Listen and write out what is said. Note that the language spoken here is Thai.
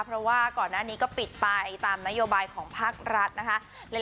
เพราะว่าก่อนหน้านี้ก็ปิดไปตามนโยบายของภาครัฐนะคะ